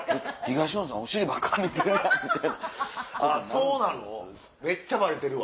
そうなの？